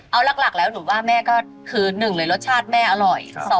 เอาหลักแล้วหนูว่าแม่ก็คือ๑เลยรสชาติแม่อร่อย